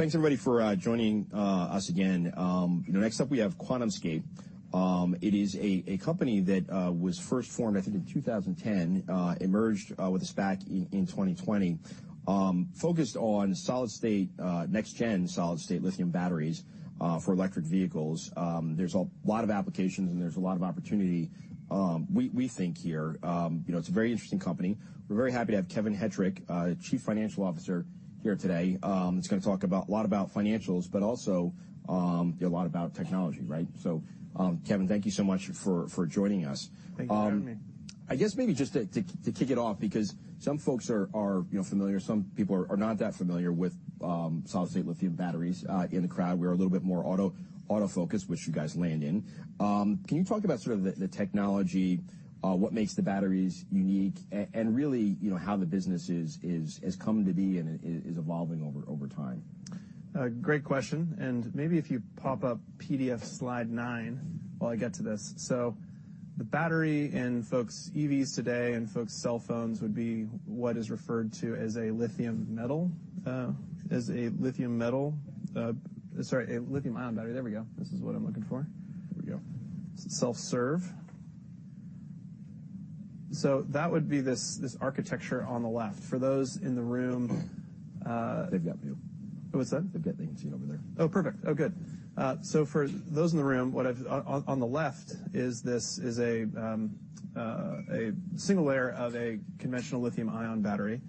Thanks, everybody, for joining us again. Next up, we have QuantumScape. It is a company that was first formed, I think, in 2010, emerged with a SPAC in 2020, focused on solid-state, next-gen solid-state lithium batteries for electric vehicles. There's a lot of applications, and there's a lot of opportunity, we think, here. It's a very interesting company. We're very happy to have Kevin Hettrich, Chief Financial Officer, here today. It's going to talk a lot about financials, but also a lot about technology, right? So, Kevin, thank you so much for joining us. Thank you for having me. I guess maybe just to kick it off, because some folks are familiar, some people are not that familiar with solid-state lithium batteries. In the crowd, we are a little bit more auto-focused, which you guys land in. Can you talk about sort of the technology, what makes the batteries unique, and really how the business has come to be and is evolving over time? Great question. And maybe if you pop up PDF slide nine while I get to this. So the battery in folks' EVs today and folks' cell phones would be what is referred to as a lithium metal as a lithium metal sorry, a lithium-ion battery. There we go. This is what I'm looking for. There we go. Self-serve. So that would be this architecture on the left. For those in the room. They've got view. Oh, what's that? They've got things seen over there. Oh, perfect. Oh, good. So for those in the room, what I've on the left is a single layer of a conventional lithium-ion battery.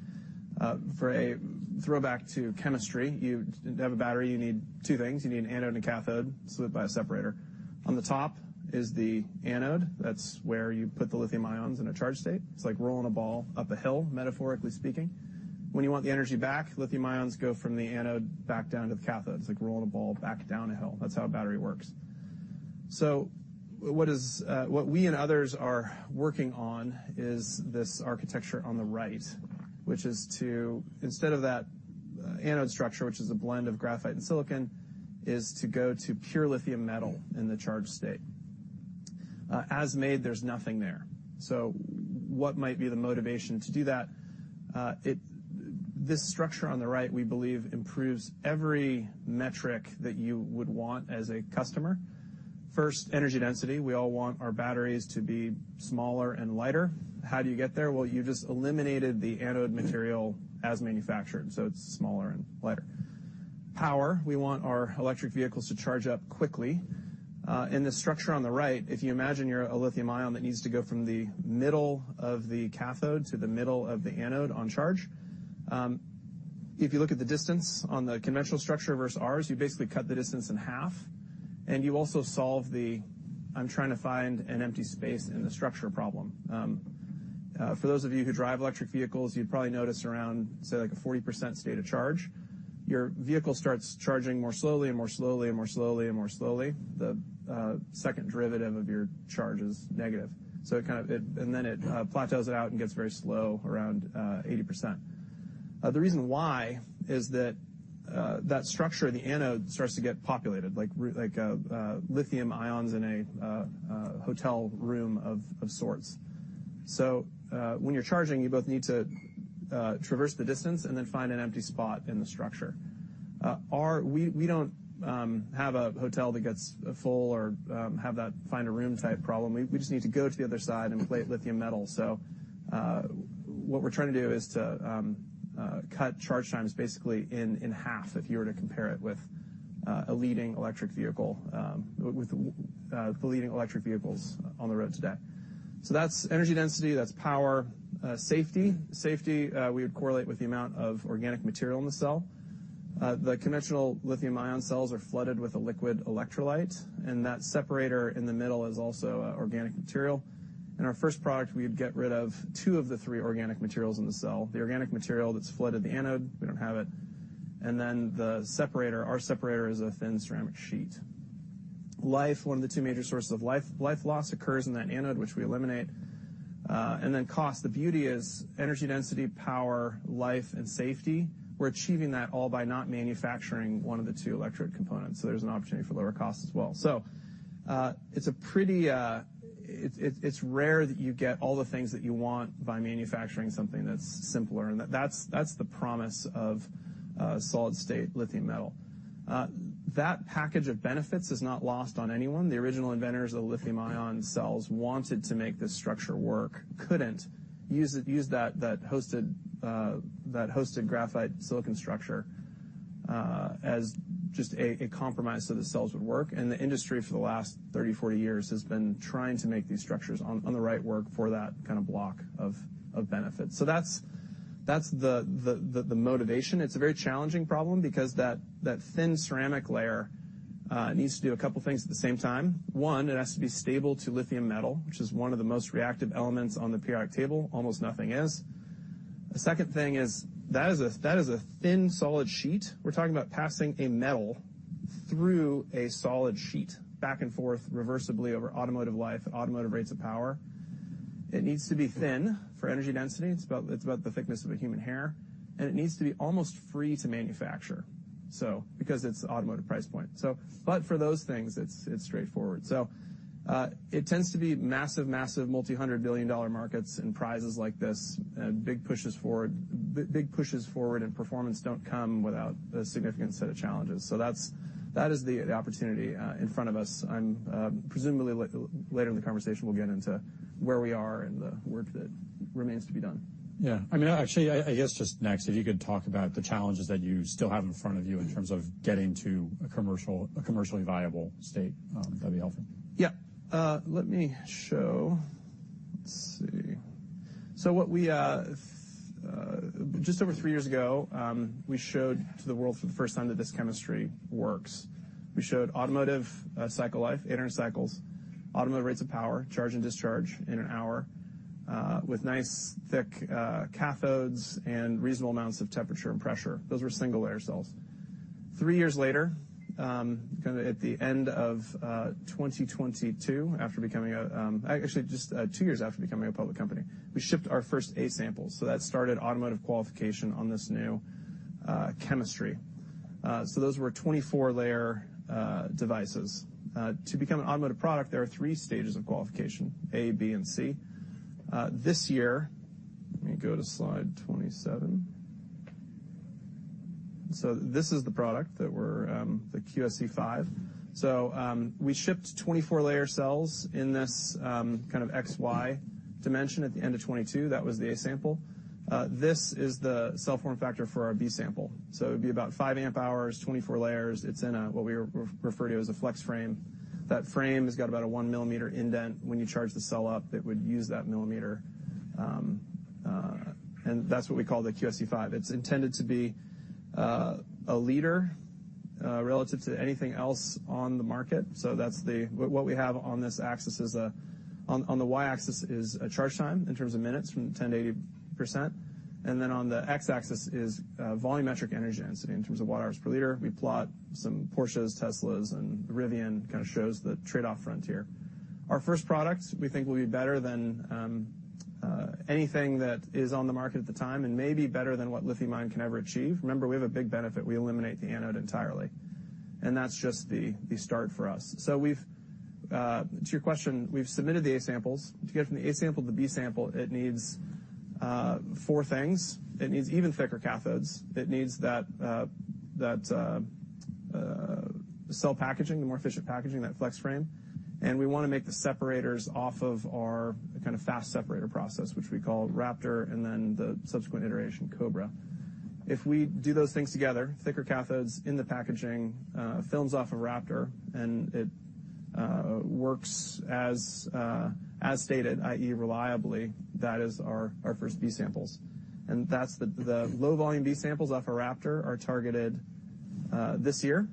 For a throwback to chemistry, to have a battery, you need two things. You need an anode and a cathode, split by a separator. On the top is the anode. That's where you put the lithium ions in a charged state. It's like rolling a ball up a hill, metaphorically speaking. When you want the energy back, lithium ions go from the anode back down to the cathode. It's like rolling a ball back down a hill. That's how a battery works. So what we and others are working on is this architecture on the right, which is to instead of that anode structure, which is a blend of graphite and silicon, is to go to pure lithium metal in the charged state. As made, there's nothing there. So what might be the motivation to do that? This structure on the right, we believe, improves every metric that you would want as a customer. First, energy density. We all want our batteries to be smaller and lighter. How do you get there? Well, you just eliminated the anode material as manufactured, so it's smaller and lighter. Power. We want our electric vehicles to charge up quickly. In this structure on the right, if you imagine you're a lithium ion that needs to go from the middle of the cathode to the middle of the anode on charge, if you look at the distance on the conventional structure versus ours, you basically cut the distance in half. And you also solve the I'm trying to find an empty space in the structure problem. For those of you who drive electric vehicles, you'd probably notice around, say, like a 40% state of charge, your vehicle starts charging more slowly and more slowly and more slowly and more slowly. The second derivative of your charge is negative. So it kind of and then it plateaus it out and gets very slow around 80%. The reason why is that that structure, the anode, starts to get populated, like lithium ions in a hotel room of sorts. So when you're charging, you both need to traverse the distance and then find an empty spot in the structure. We don't have a hotel that gets full or have that find-a-room-type problem. We just need to go to the other side and plate lithium metal. So what we're trying to do is to cut charge times, basically, in half if you were to compare it with a leading electric vehicle with the leading electric vehicles on the road today. So that's energy density. That's power. Safety. Safety, we would correlate with the amount of organic material in the cell. The conventional lithium-ion cells are flooded with a liquid electrolyte. And that separator in the middle is also organic material. In our first product, we'd get rid of two of the three organic materials in the cell: the organic material that's flooded the anode - we don't have it - and then the separator. Our separator is a thin ceramic sheet. Life, one of the two major sources of life loss, occurs in that anode, which we eliminate. And then cost. The beauty is energy density, power, life, and safety. We're achieving that all by not manufacturing one of the two electrolyte components. So there's an opportunity for lower cost as well. So it's a pretty rare that you get all the things that you want by manufacturing something that's simpler. And that's the promise of solid-state lithium-metal. That package of benefits is not lost on anyone. The original inventors of the lithium-ion cells wanted to make this structure work, couldn't, use that hosted graphite-silicon structure as just a compromise so the cells would work. And the industry, for the last 30, 40 years, has been trying to make these structures on the right work for that kind of block of benefits. So that's the motivation. It's a very challenging problem because that thin ceramic layer needs to do a couple of things at the same time. One, it has to be stable to lithium metal, which is one of the most reactive elements on the periodic table. Almost nothing is. A second thing is that it is a thin, solid sheet. We're talking about passing a metal through a solid sheet back and forth reversibly over automotive life and automotive rates of power. It needs to be thin for energy density. It's about the thickness of a human hair. It needs to be almost free to manufacture because it's the automotive price point. But for those things, it's straightforward. So it tends to be massive, massive, multi-hundred-billion-dollar markets and prizes like this, big pushes forward. Big pushes forward in performance don't come without a significant set of challenges. So that is the opportunity in front of us. Presumably, later in the conversation, we'll get into where we are and the work that remains to be done. Yeah. I mean, actually, I guess just next, if you could talk about the challenges that you still have in front of you in terms of getting to a commercially viable state, that'd be helpful? Yeah. Let me show. Let's see. So, just over three years ago, we showed to the world for the first time that this chemistry works. We showed automotive cycle life, 800 cycles, automotive rates of power, charge and discharge in an hour with nice, thick cathodes and reasonable amounts of temperature and pressure. Those were single-layer cells. Three years later, kind of at the end of 2022, after becoming a, actually, just two years after becoming a public company, we shipped our first A sample. So that started automotive qualification on this new chemistry. So those were 24-layer devices. To become an automotive product, there are three stages of qualification: A, B, and C. This year, let me go to slide 27. So this is the product that we're the QSE-5. So we shipped 24-layer cells in this kind of XY dimension at the end of 2022. That was the A sample. This is the cell form factor for our B sample. So it'd be about 5 amp-hours, 24 layers. It's in what we refer to as a FlexFrame. That frame has got about a 1 mm indent. When you charge the cell up, it would use that millimeter. And that's what we call the QSE-5. It's intended to be a leader relative to anything else on the market. So that's what we have on this axis. On the Y-axis is a charge time in terms of minutes from 10%-80%. And then on the X-axis is volumetric energy density in terms of watt-hours per liter. We plot some Porsches, Teslas, and Rivian kind of shows the trade-off frontier. Our first product, we think, will be better than anything that is on the market at the time and maybe better than what lithium-ion can ever achieve. Remember, we have a big benefit. We eliminate the anode entirely. And that's just the start for us. So to your question, we've submitted the A samples. To get from the A sample to the B sample, it needs four things. It needs even thicker cathodes. It needs that cell packaging, the more efficient packaging, that FlexFrame. And we want to make the separators off of our kind of fast separator process, which we call Raptor and then the subsequent iteration, Cobra. If we do those things together, thicker cathodes in the packaging, films off of Raptor, and it works as stated, i.e., reliably, that is our first B samples. And the low-volume B samples off of Raptor are targeted this year.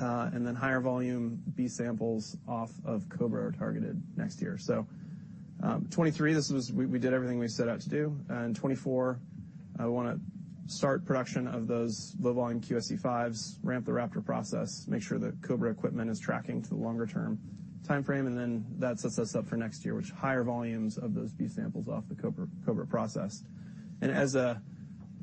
Then higher-volume B samples off of Cobra are targeted next year. So 2023, this was we did everything we set out to do. In 2024, we want to start production of those low-volume QSE-5s, ramp the Raptor process, make sure that Cobra equipment is tracking to the longer-term timeframe. And then that sets us up for next year, which higher volumes of those B samples off the Cobra process. And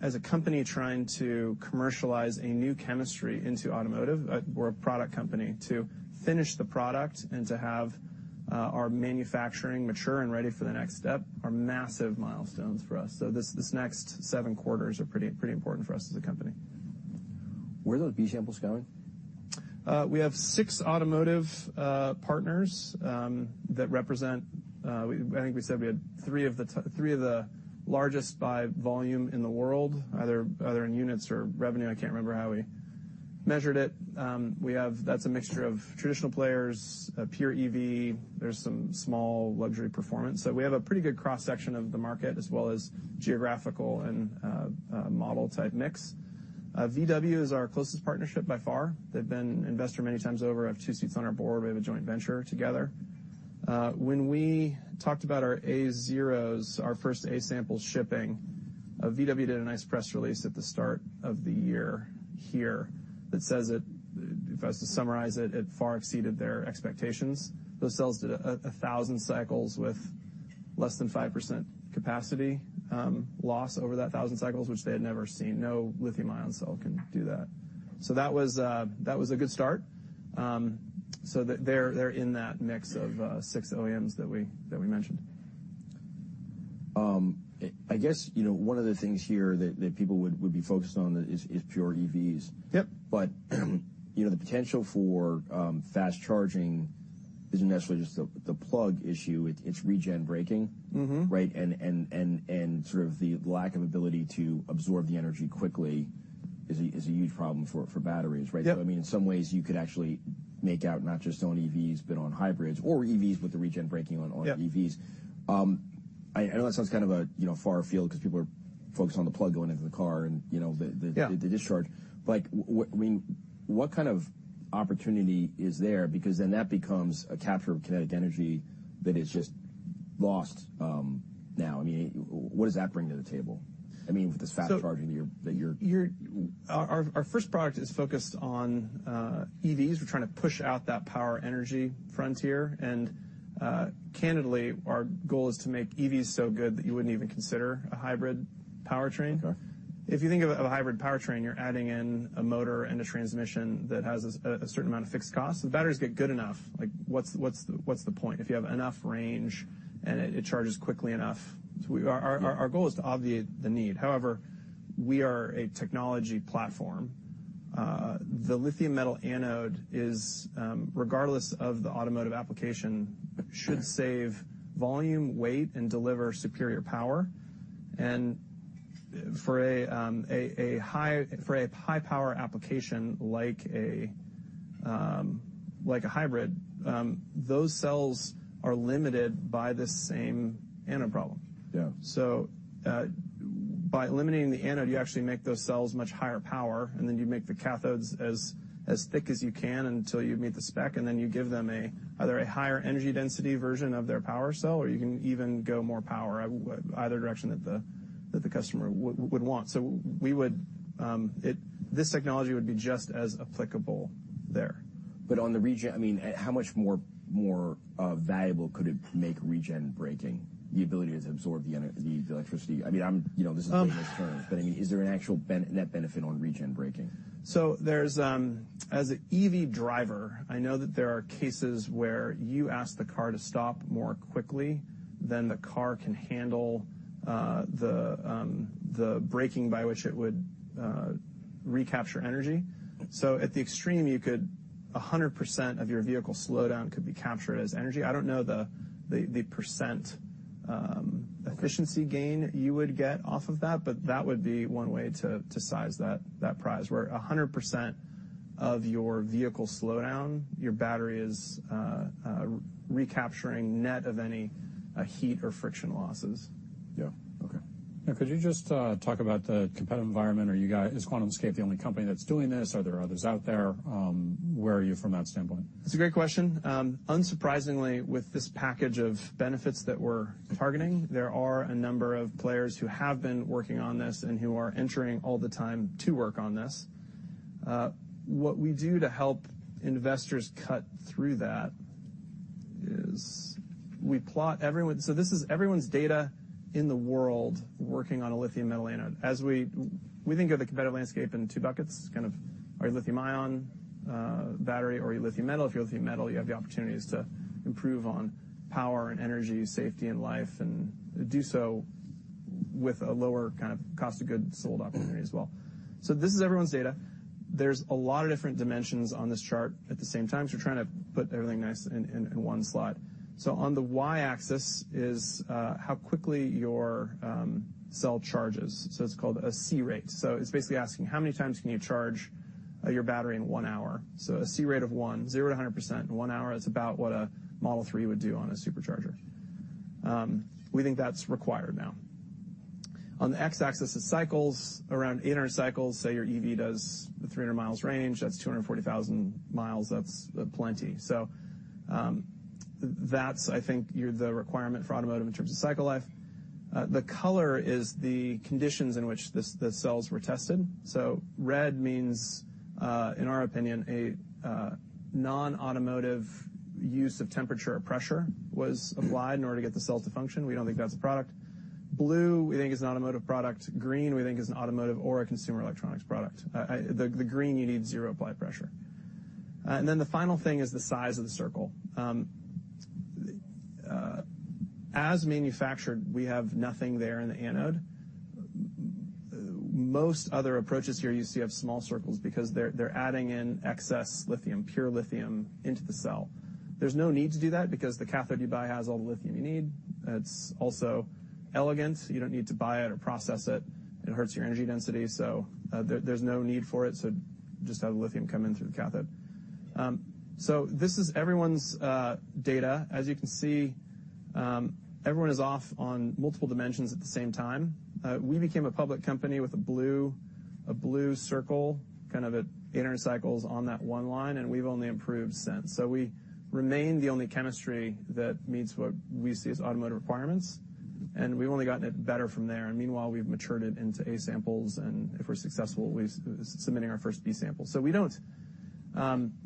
as a company trying to commercialize a new chemistry into automotive, we're a product company. To finish the product and to have our manufacturing mature and ready for the next step are massive milestones for us. So this next seven quarters are pretty important for us as a company. Where are those B samples going? We have six automotive partners that represent, I think we said we had three of the, three of the largest by volume in the world, either in units or revenue. I can't remember how we measured it. That's a mixture of traditional players, pure EV. There's some small luxury performance. So we have a pretty good cross-section of the market as well as geographical and model-type mix. VW is our closest partnership by far. They've been investors many times over. I have two seats on our board. We have a joint venture together. When we talked about our A0s, our first A samples shipping, VW did a nice press release at the start of the year here that says it, if I was to summarize it, it far exceeded their expectations. Those cells did 1,000 cycles with less than 5% capacity loss over that 1,000 cycles, which they had never seen. No lithium-ion cell can do that. So that was a good start. So they're in that mix of six OEMs that we mentioned. I guess one of the things here that people would be focused on is pure EVs. But the potential for fast charging isn't necessarily just the plug issue. It's regenerative braking, right? And sort of the lack of ability to absorb the energy quickly is a huge problem for batteries, right? So I mean, in some ways, you could actually make out not just on EVs but on hybrids or EVs with the regenerative braking on EVs. I know that sounds kind of a far field because people are focused on the plug going into the car and the discharge. But I mean, what kind of opportunity is there? Because then that becomes a capture of kinetic energy that is just lost now. I mean, what does that bring to the table? I mean, with this fast charging that you're. Our first product is focused on EVs. We're trying to push out that power-energy frontier. And candidly, our goal is to make EVs so good that you wouldn't even consider a hybrid powertrain. If you think of a hybrid powertrain, you're adding in a motor and a transmission that has a certain amount of fixed costs. If the batteries get good enough, what's the point? If you have enough range and it charges quickly enough, our goal is to obviate the need. However, we are a technology platform. The lithium-metal anode, regardless of the automotive application, should save volume, weight, and deliver superior power. And for a high-power application like a hybrid, those cells are limited by this same anode problem. So by eliminating the anode, you actually make those cells much higher power. And then you make the cathodes as thick as you can until you meet the spec. And then you give them either a higher energy density version of their power cell, or you can even go more power, either direction that the customer would want. So this technology would be just as applicable there. But on the—I mean, how much more valuable could it make regenerative braking, the ability to absorb the electricity? I mean, this is business terms. But I mean, is there an actual net benefit on regenerative braking? As an EV driver, I know that there are cases where you ask the car to stop more quickly than the car can handle the braking by which it would recapture energy. So at the extreme, 100% of your vehicle slowdown could be captured as energy. I don't know the percent efficiency gain you would get off of that. But that would be one way to size that prize, where 100% of your vehicle slowdown, your battery is recapturing net of any heat or friction losses. Yeah. Okay. Now, could you just talk about the competitive environment? Or is QuantumScape the only company that's doing this? Are there others out there? Where are you from that standpoint? That's a great question. Unsurprisingly, with this package of benefits that we're targeting, there are a number of players who have been working on this and who are entering all the time to work on this. What we do to help investors cut through that is we plot everyone's so this is everyone's data in the world working on a lithium-metal anode. We think of the competitive landscape in two buckets: kind of are you lithium-ion battery or are you lithium metal? If you're lithium metal, you have the opportunities to improve on power and energy, safety, and life, and do so with a lower kind of cost of goods sold opportunity as well. So this is everyone's data. There's a lot of different dimensions on this chart at the same time. So we're trying to put everything nice in one slot. So on the Y-axis is how quickly your cell charges. So it's called a C-rate. So it's basically asking, "How many times can you charge your battery in one hour?" So a C-rate of 1, 0%-100% in one hour, that's about what a Model 3 would do on a supercharger. We think that's required now. On the X-axis is cycles. Around 800 cycles, say your EV does the 300 miles range, that's 240,000 miles. That's plenty. So that's, I think, the requirement for automotive in terms of cycle life. The color is the conditions in which the cells were tested. So red means, in our opinion, a non-automotive use of temperature or pressure was applied in order to get the cells to function. We don't think that's a product. Blue, we think, is an automotive product. Green, we think, is an automotive or a consumer electronics product. The green, you need zero applied pressure. And then the final thing is the size of the circle. As manufactured, we have nothing there in the anode. Most other approaches here you see have small circles because they're adding in excess lithium, pure lithium, into the cell. There's no need to do that because the cathode you buy has all the lithium you need. It's also elegant. You don't need to buy it or process it. It hurts your energy density. So there's no need for it. So just have the lithium come in through the cathode. So this is everyone's data. As you can see, everyone is off on multiple dimensions at the same time. We became a public company with a blue circle kind of at 800 cycles on that one line. And we've only improved since. We remain the only chemistry that meets what we see as automotive requirements. We've only gotten it better from there. Meanwhile, we've matured it into A samples. If we're successful, we're submitting our first B sample.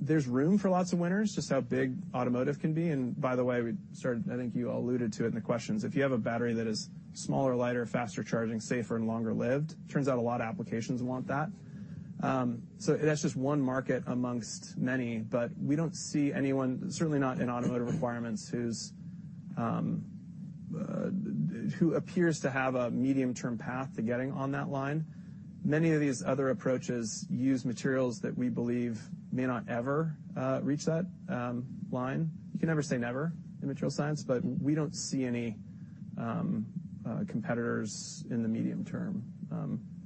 There's room for lots of winners, just how big automotive can be. By the way, we started, I think you all alluded to it in the questions. If you have a battery that is smaller, lighter, faster charging, safer, and longer-lived, it turns out a lot of applications want that. That's just one market amongst many. But we don't see anyone, certainly not in automotive requirements, who appears to have a medium-term path to getting on that line. Many of these other approaches use materials that we believe may not ever reach that line. You can never say never in material science. But we don't see any competitors in the medium term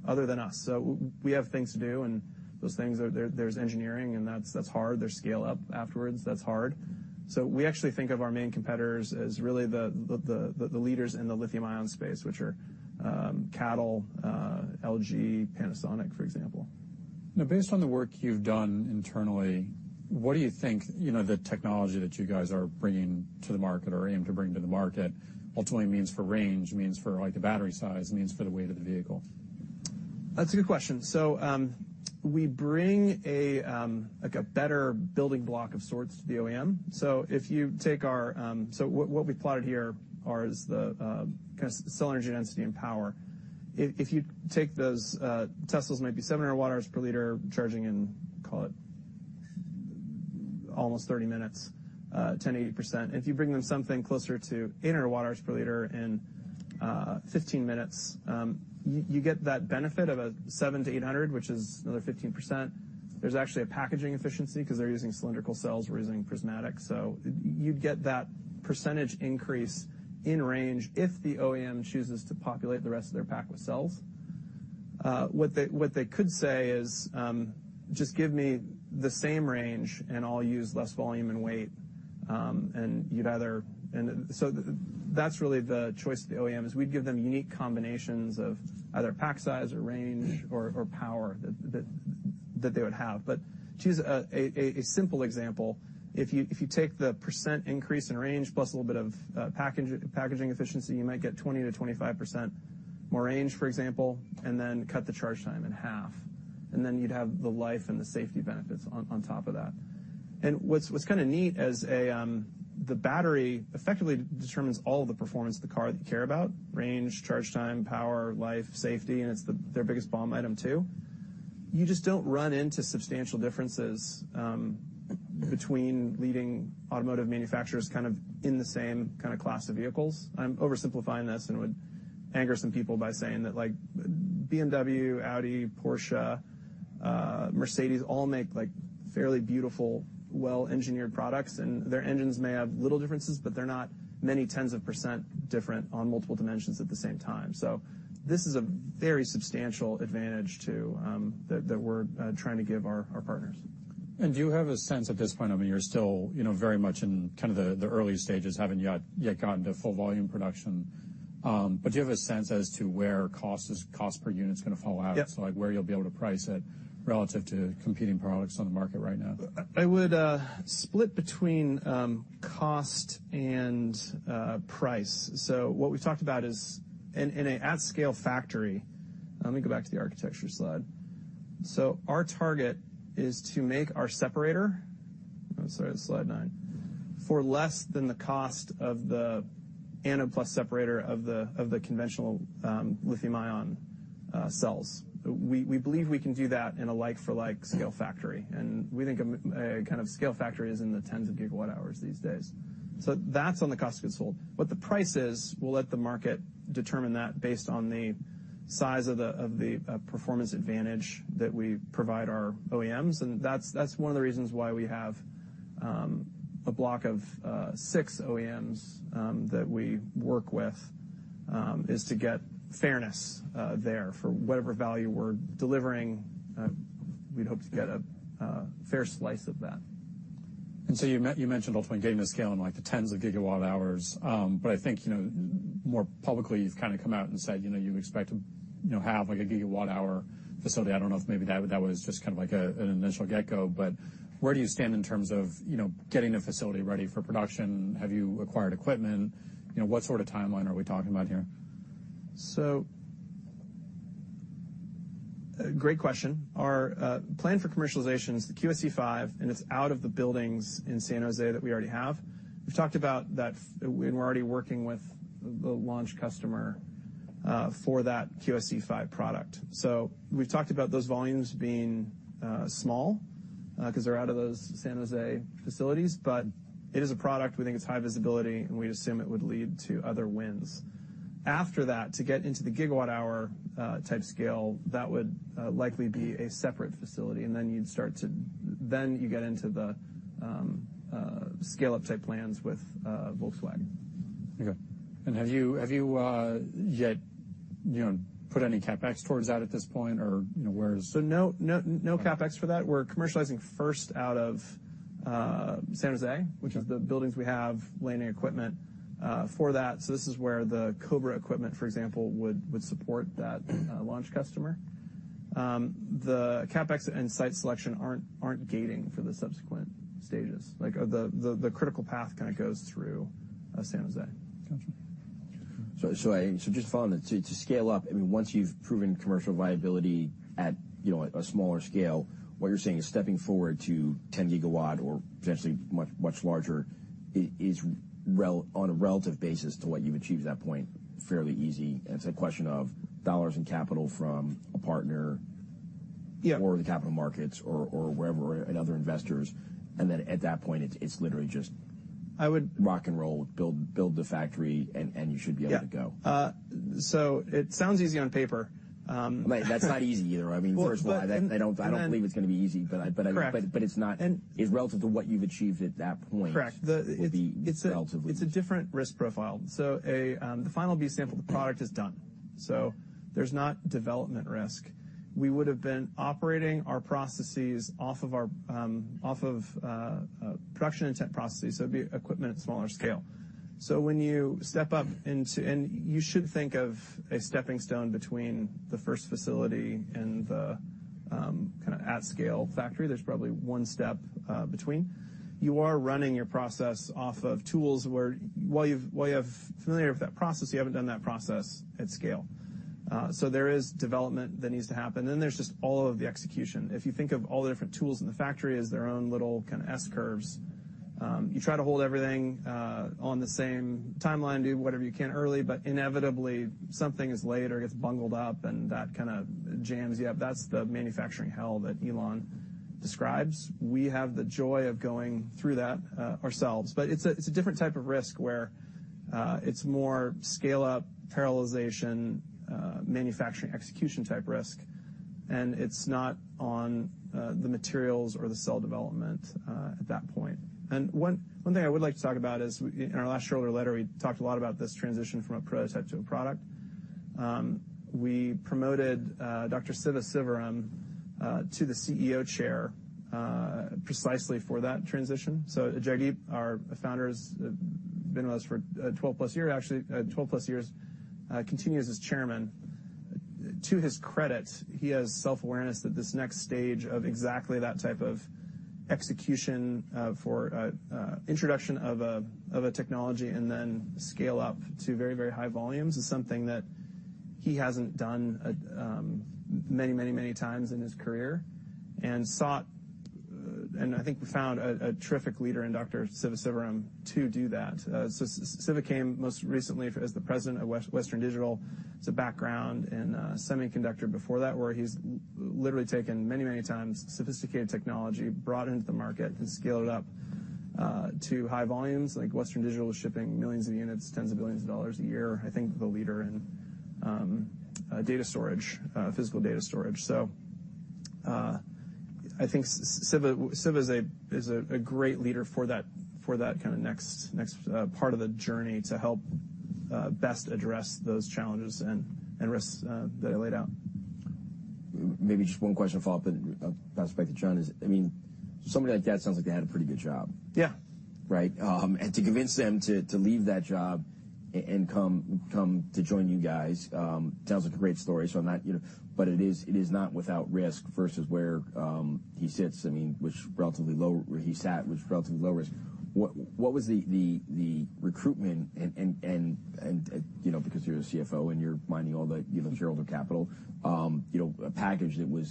other than us. So we have things to do. And those things, there's engineering. And that's hard. They're scale-up afterwards. That's hard. So we actually think of our main competitors as really the leaders in the lithium-ion space, which are CATL, LG, Panasonic, for example. Now, based on the work you've done internally, what do you think the technology that you guys are bringing to the market or aim to bring to the market ultimately means for range, means for the battery size, means for the weight of the vehicle? That's a good question. So we bring a better building block of sorts to the OEM. So if you take what we've plotted here is the kind of cell energy density and power. If you take those Teslas, it might be 700 watt-hours per liter charging in, call it, almost 30 minutes, 10%-80%. And if you bring them something closer to 800 watt-hours per liter in 15 minutes, you get that benefit of a 700-800, which is another 15%. There's actually a packaging efficiency because they're using cylindrical cells. We're using prismatics. So you'd get that percentage increase in range if the OEM chooses to populate the rest of their pack with cells. What they could say is, "Just give me the same range, and I'll use less volume and weight." And so that's really the choice of the OEM: we'd give them unique combinations of either pack size or range or power that they would have. But to use a simple example, if you take the percent increase in range plus a little bit of packaging efficiency, you might get 20%-25% more range, for example, and then cut the charge time in half. And then you'd have the life and the safety benefits on top of that. And what's kind of neat is the battery effectively determines all of the performance of the car that you care about: range, charge time, power, life, safety. And it's their biggest BOM item too. You just don't run into substantial differences between leading automotive manufacturers kind of in the same kind of class of vehicles. I'm oversimplifying this and would anger some people by saying that BMW, Audi, Porsche, Mercedes all make fairly beautiful, well-engineered products. And their engines may have little differences, but they're not many tens of percent different on multiple dimensions at the same time. So this is a very substantial advantage that we're trying to give our partners. Do you have a sense at this point? I mean, you're still very much in kind of the early stages, haven't yet gotten to full-volume production. Do you have a sense as to where cost per unit's going to fall out, so where you'll be able to price it relative to competing products on the market right now? I would split between cost and price. So what we've talked about is, in an at-scale factory, let me go back to the architecture slide. So our target is to make our separator, oh, sorry, that's slide 9, for less than the cost of the anode-plus separator of the conventional lithium-ion cells. We believe we can do that in a like-for-like scale factory. And we think a kind of scale factory is in the tens of gigawatt-hours these days. So that's on the cost of goods sold. What the price is, we'll let the market determine that based on the size of the performance advantage that we provide our OEMs. And that's one of the reasons why we have a block of six OEMs that we work with, is to get fairness there for whatever value we're delivering. We'd hope to get a fair slice of that. You mentioned ultimately getting the scale in the tens of gigawatt-hours. I think more publicly, you've kind of come out and said you expect to have a gigawatt-hour facility. I don't know if maybe that was just kind of an initial get-go. Where do you stand in terms of getting the facility ready for production? Have you acquired equipment? What sort of timeline are we talking about here? So great question. Our plan for commercialization is the QSE-5. It's out of the buildings in San Jose that we already have. We've talked about that. We're already working with the launch customer for that QSE-5 product. So we've talked about those volumes being small because they're out of those San Jose facilities. But it is a product. We think it's high visibility. We'd assume it would lead to other wins. After that, to get into the gigawatt-hour-type scale, that would likely be a separate facility. And then you'd start to, then you get into the scale-up-type plans with Volkswagen. Okay. Have you yet put any CapEx towards that at this point? Or where is? So no CapEx for that. We're commercializing first out of San Jose, which is the buildings we have, laying equipment for that. So this is where the Cobra equipment, for example, would support that launch customer. The CapEx and site selection aren't gating for the subsequent stages. The critical path kind of goes through San Jose. Gotcha. So just following that, to scale up, I mean, once you've proven commercial viability at a smaller scale, what you're saying is stepping forward to 10 GW or potentially much, much larger is, on a relative basis to what you've achieved at that point, fairly easy. And it's a question of dollars and capital from a partner or the capital markets or wherever and other investors. And then at that point, it's literally just rock and roll, build the factory, and you should be able to go. Yeah. So it sounds easy on paper. Right. That's not easy either. I mean, first of all, I don't believe it's going to be easy. But it's relative to what you've achieved at that point would be relatively. Correct. It's a different risk profile. So the final B sample, the product is done. So there's not development risk. We would have been operating our processes off of our off of production intent processes. So it'd be equipment at smaller scale. So when you step up into and you should think of a stepping stone between the first facility and the kind of at-scale factory. There's probably one step between. You are running your process off of tools where while you have familiarity with that process, you haven't done that process at scale. So there is development that needs to happen. And then there's just all of the execution. If you think of all the different tools in the factory as their own little kind of S-curves, you try to hold everything on the same timeline, do whatever you can early. But inevitably, something is late or gets bungled up. And that kind of jams you up. That's the manufacturing hell that Elon describes. We have the joy of going through that ourselves. But it's a different type of risk where it's more scale-up, parallelization, manufacturing execution-type risk. And it's not on the materials or the cell development at that point. And one thing I would like to talk about is, in our last shorter letter, we talked a lot about this transition from a prototype to a product. We promoted Dr. Siva Sivaram to the CEO chair precisely for that transition. So Jagdeep, our founder, has been with us for 12+ years, actually, 12+ years, continues as chairman. To his credit, he has self-awareness that this next stage of exactly that type of execution for introduction of a technology and then scale up to very, very high volumes is something that he hasn't done many, many, many times in his career. I think we found a terrific leader in Dr. Siva Sivaram to do that. Siva came most recently as the president of Western Digital. He has a background in semiconductor before that, where he's literally taken many, many times sophisticated technology, brought it into the market, and scaled it up to high volumes. Western Digital was shipping millions of units, tens of billions of dollar a year, I think, the leader in data storage, physical data storage. I think Siva is a great leader for that kind of next part of the journey to help best address those challenges and risks that I laid out. Maybe just one question to follow up and pass it back to John is, I mean, somebody like that sounds like they had a pretty good job, right? And to convince them to leave that job and come to join you guys sounds like a great story. But it is not without risk versus where he sat, I mean, which is relatively low risk. What was the recruitment and, because you're the CFO and you're minding all the shareholder capital, a package that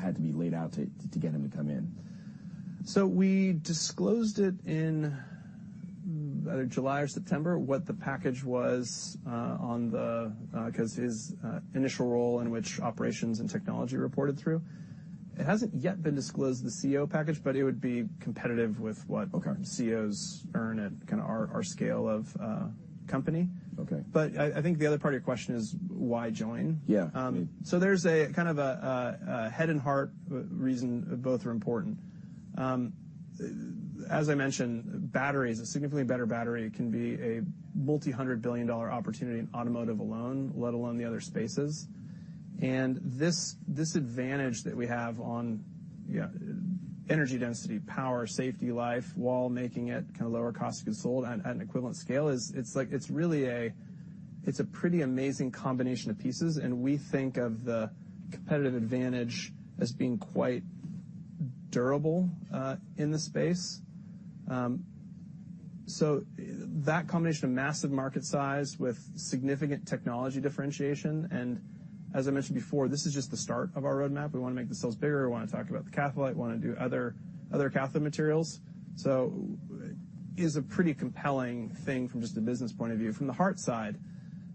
had to be laid out to get him to come in? So, we disclosed it in either July or September: what the package was on the CEO, because his initial role in which operations and technology reported through. It hasn't yet been disclosed: the CEO package. But it would be competitive with what CEOs earn at kind of our scale of company. But I think the other part of your question is why join. So, there's kind of a head and heart reason. Both are important. As I mentioned, a significantly better battery can be a multi-hundred-billion-dollar opportunity in automotive alone, let alone the other spaces. And this advantage that we have on energy density, power, safety, life, while making it kind of lower cost of goods sold at an equivalent scale, it's really a it's a pretty amazing combination of pieces. And we think of the competitive advantage as being quite durable in the space. So that combination of massive market size with significant technology differentiation and, as I mentioned before, this is just the start of our roadmap. We want to make the cells bigger. We want to talk about the cathode. We want to do other cathode materials. So it is a pretty compelling thing from just a business point of view. From the heart side,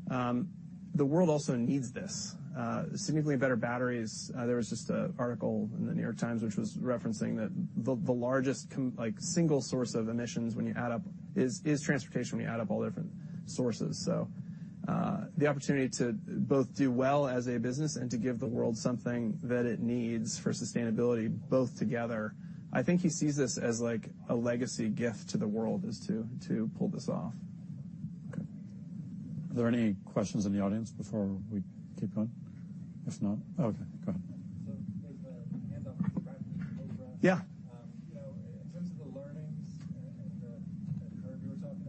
the world also needs this. Significantly better batteries. There was just an article in The New York Times, which was referencing that the largest single source of emissions, when you add up all different sources, is transportation. So the opportunity to both do well as a business and to give the world something that it needs for sustainability, both together, I think he sees this as a legacy gift to the world is to pull this off. Okay. Are there any questions in the audience before we keep going? If not, okay. Go ahead. There's a handoff to Bradley and Oliver in terms of the learnings and the curve you were talking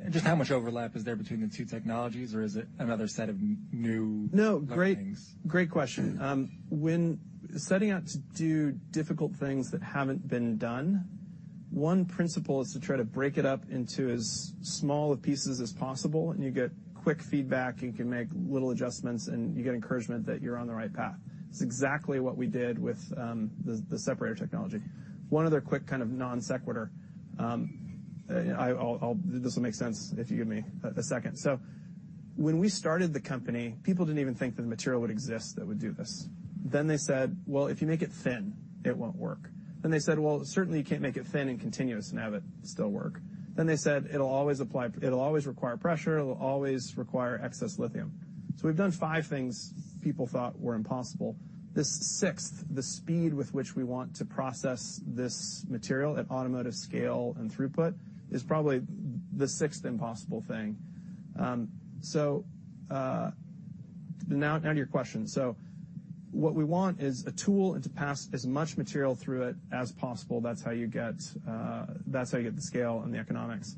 about. Just how much overlap is there between the two technologies? Or is it another set of new learning things? No. Great question. When setting out to do difficult things that haven't been done, one principle is to try to break it up into as small of pieces as possible. And you get quick feedback. And you can make little adjustments. And you get encouragement that you're on the right path. It's exactly what we did with the separator technology. One other quick kind of non sequitur, this will make sense if you give me a second. So when we started the company, people didn't even think that the material would exist that would do this. Then they said, "Well, if you make it thin, it won't work." Then they said, "Well, certainly, you can't make it thin and continuous and have it still work." Then they said, "It'll always require pressure. It'll always require excess lithium." So we've done five things people thought were impossible. This sixth, the speed with which we want to process this material at automotive scale and throughput, is probably the sixth impossible thing. So now to your question. So what we want is a tool and to pass as much material through it as possible. That's how you get that's how you get the scale and the economics.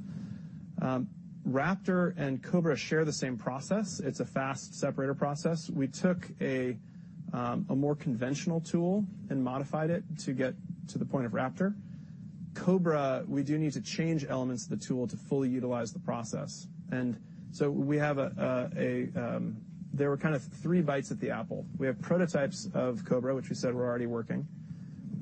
Raptor and Cobra share the same process. It's a fast separator process. We took a more conventional tool and modified it to get to the point of Raptor. Cobra, we do need to change elements of the tool to fully utilize the process. And so we have a there were kind of three bites at the apple. We have prototypes of Cobra, which we said were already working.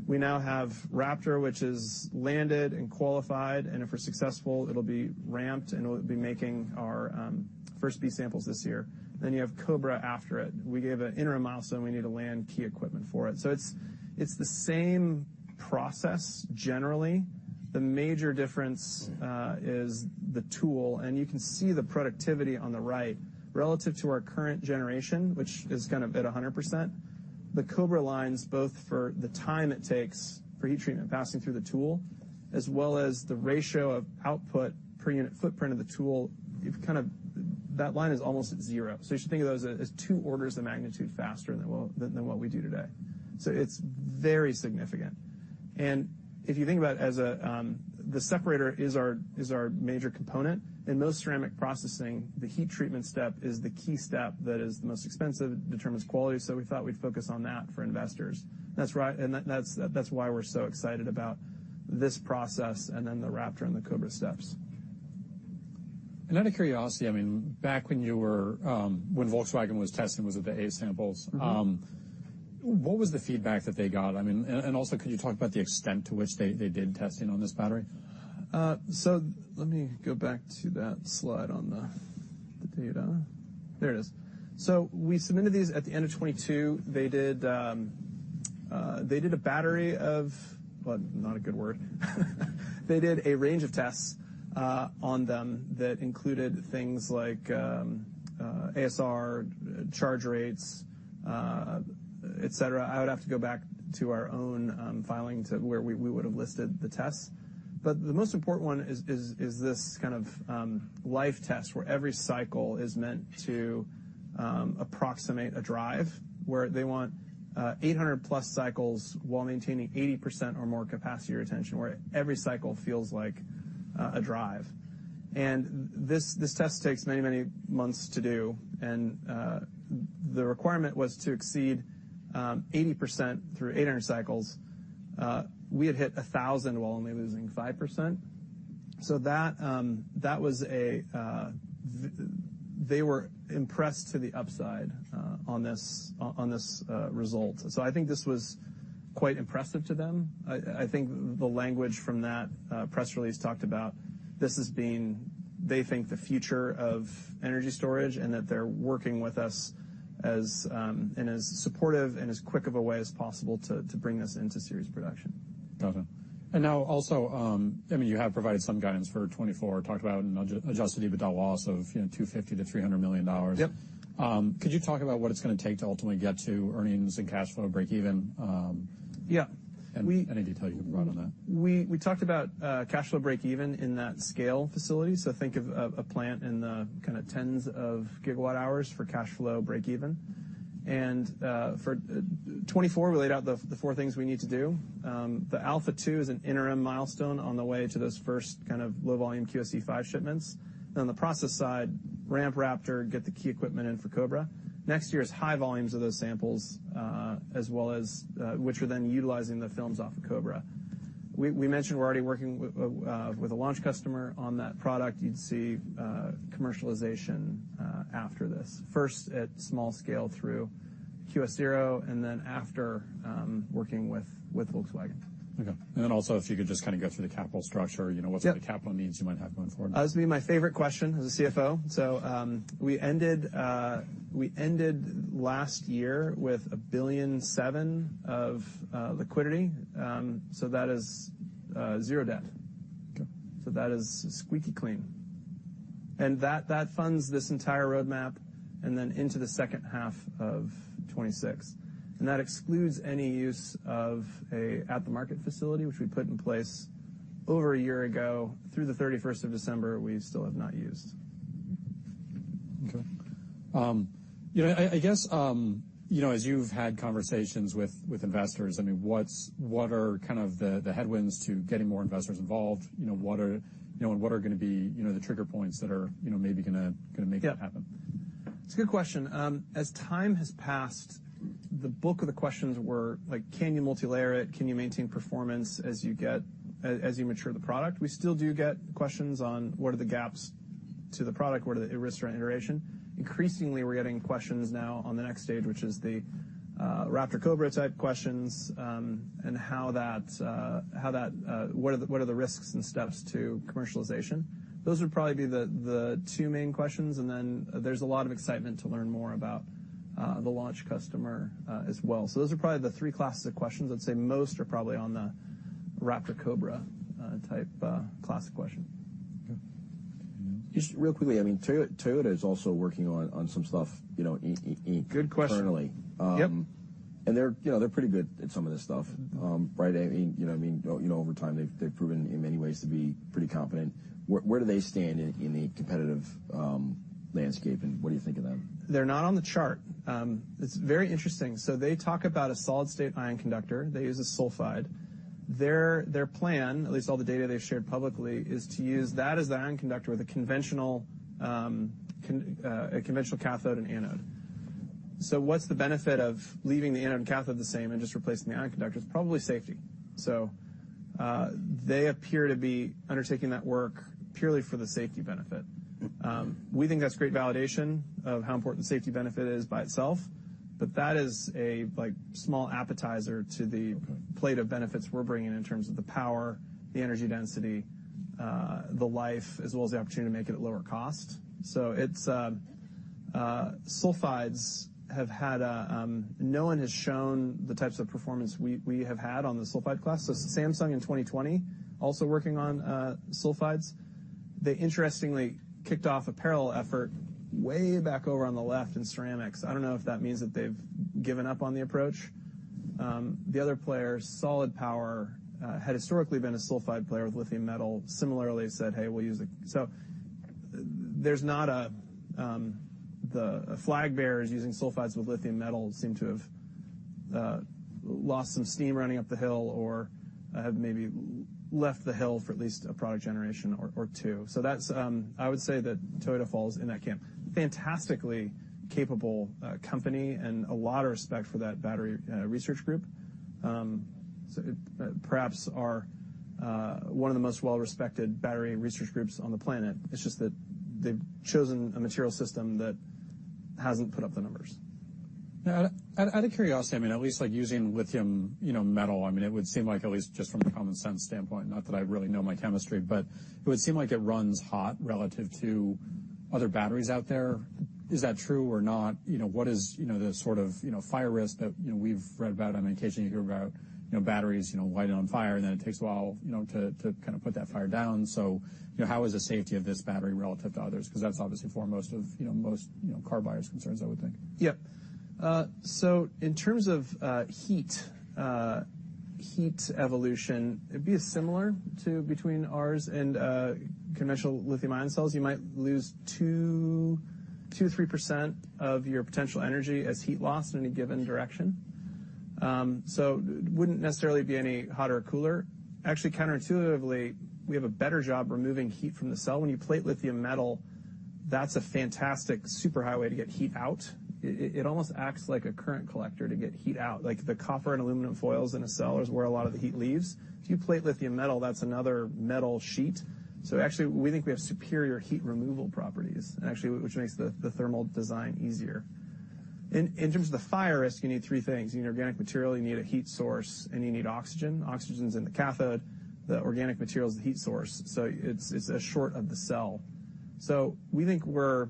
We now have Raptor, which has landed and qualified. And if we're successful, it'll be ramped. It'll be making our first B samples this year. Then you have Cobra after it. We gave an interim milestone. We need to land key equipment for it. So it's the same process generally. The major difference is the tool. And you can see the productivity on the right relative to our current generation, which is kind of at 100%. The Cobra lines, both for the time it takes for heat treatment passing through the tool as well as the ratio of output per unit footprint of the tool, kind of that line is almost at zero. So you should think of those as two orders of magnitude faster than what we do today. So it's very significant. And if you think about it as the separator is our major component. In most ceramic processing, the heat treatment step is the key step that is the most expensive, determines quality. So we thought we'd focus on that for investors. That's why we're so excited about this process and then the Raptor and the Cobra steps. Out of curiosity, I mean, back when Volkswagen was testing, was it the A samples? What was the feedback that they got? I mean, and also, could you talk about the extent to which they did testing on this battery? So let me go back to that slide on the data. There it is. So we submitted these at the end of 2022. They did a battery of well, not a good word. They did a range of tests on them that included things like ASR, charge rates, etc. I would have to go back to our own filing where we would have listed the tests. But the most important one is this kind of life test where every cycle is meant to approximate a drive, where they want 800+ cycles while maintaining 80% or more capacity retention, where every cycle feels like a drive. And this test takes many, many months to do. And the requirement was to exceed 80% through 800 cycles. We had hit 1,000 while only losing 5%. So that was a. They were impressed to the upside on this result. So I think this was quite impressive to them. I think the language from that press release talked about this as being, they think, the future of energy storage and that they're working with us in as supportive and as quick of a way as possible to bring this into series production. Gotcha. And now also, I mean, you have provided some guidance for 2024, talked about an adjusted EBITDA loss of $250 million-$300 million. Could you talk about what it's going to take to ultimately get to earnings and cash flow break-even? And any detail you can provide on that? We talked about cash flow break-even in that scale facility. So think of a plant in the kind of tens of GWh for cash flow break-even. And for 2024, we laid out the four things we need to do. The Alpha-2 is an interim milestone on the way to those first kind of low-volume QSE-5 shipments. Then on the process side, ramp Raptor, get the key equipment in for Cobra. Next year is high volumes of those samples as well as which are then utilizing the films off of Cobra. We mentioned we're already working with a launch customer on that product. You'd see commercialization after this, first at small scale through QS-0 and then after working with Volkswagen. Okay. And then also, if you could just kind of go through the capital structure, what sort of capital needs you might have going forward? That would be my favorite question as a CFO. So we ended last year with $1.7 billion of liquidity. So that is zero debt. So that is squeaky clean. And that funds this entire roadmap and then into the second half of 2026. And that excludes any use of a at-the-market facility, which we put in place over a year ago. Through the 31st of December, we still have not used. Okay. I guess, as you've had conversations with investors, I mean, what are kind of the headwinds to getting more investors involved? What are and what are going to be the trigger points that are maybe going to make that happen? Yeah. It's a good question. As time has passed, the bulk of the questions were, can you multilayer it? Can you maintain performance as you mature the product? We still do get questions on, what are the gaps to the product? What are the risks around iteration? Increasingly, we're getting questions now on the next stage, which is the Raptor/Cobra type questions and how that what are the risks and steps to commercialization? Those would probably be the two main questions. And then there's a lot of excitement to learn more about the launch customer as well. So those are probably the three classes of questions. I'd say most are probably on the Raptor/Cobra type classic question. Just real quickly, I mean, Toyota is also working on some stuff internally. Good question. Yep. They're pretty good at some of this stuff. You know what I mean? Over time, they've proven in many ways to be pretty competent. Where do they stand in the competitive landscape? What do you think of them? They're not on the chart. It's very interesting. So they talk about a solid-state ion conductor. They use a sulfide. Their plan, at least all the data they've shared publicly, is to use that as the ion conductor with a conventional cathode and anode. So what's the benefit of leaving the anode and cathode the same and just replacing the ion conductor? It's probably safety. So they appear to be undertaking that work purely for the safety benefit. We think that's great validation of how important the safety benefit is by itself. But that is a small appetizer to the plate of benefits we're bringing in terms of the power, the energy density, the life, as well as the opportunity to make it at lower cost. So no one has shown the types of performance we have had on the sulfide class. So Samsung in 2020, also working on sulfides, they, interestingly, kicked off a parallel effort way back over on the left in ceramics. I don't know if that means that they've given up on the approach. The other player, Solid Power, had historically been a sulfide player with lithium metal, similarly said, "Hey, we'll use a" so there's not a the flag bearers using sulfides with lithium metal seem to have lost some steam running up the hill or have maybe left the hill for at least a product generation or two. So I would say that Toyota falls in that camp. Fantastically capable company and a lot of respect for that battery research group. So perhaps one of the most well-respected battery research groups on the planet. It's just that they've chosen a material system that hasn't put up the numbers. Now, out of curiosity, I mean, at least using lithium metal, I mean, it would seem like, at least just from the common sense standpoint, not that I really know my chemistry, but it would seem like it runs hot relative to other batteries out there. Is that true or not? What is the sort of fire risk that we've read about? I mean, occasionally, you hear about batteries lighting on fire. And then it takes a while to kind of put that fire down. So how is the safety of this battery relative to others? Because that's obviously foremost of most car buyers' concerns, I would think. Yep. So in terms of heat evolution, it'd be similar to between ours and conventional lithium-ion cells. You might lose 2%-3% of your potential energy as heat loss in any given direction. So it wouldn't necessarily be any hotter or cooler. Actually, counterintuitively, we have a better job removing heat from the cell. When you plate lithium metal, that's a fantastic superhighway to get heat out. It almost acts like a current collector to get heat out. The copper and aluminum foils in a cell is where a lot of the heat leaves. If you plate lithium metal, that's another metal sheet. So actually, we think we have superior heat removal properties, actually, which makes the thermal design easier. In terms of the fire risk, you need three things. You need organic material. You need a heat source. And you need oxygen. Oxygen's in the cathode. The organic material's the heat source. So it's a short of the cell. So we think we're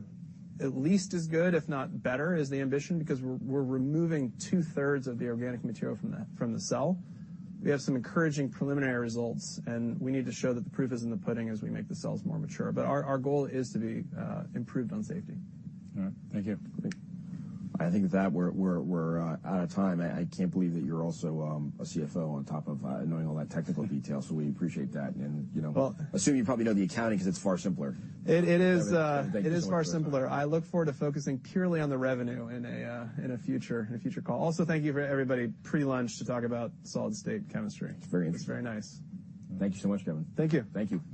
at least as good, if not better, is the ambition because we're removing two-thirds of the organic material from the cell. We have some encouraging preliminary results. We need to show that the proof is in the pudding as we make the cells more mature. Our goal is to be improved on safety. All right. Thank you. Great. I think that we're out of time. I can't believe that you're also a CFO on top of knowing all that technical detail. So we appreciate that. Assume you probably know the accounting because it's far simpler. It is. It is far simpler. I look forward to focusing purely on the revenue in a future call. Also, thank you for everybody pre-lunch to talk about solid-state chemistry. It's very interesting. It's very nice. Thank you so much, Kevin. Thank you. Thank you.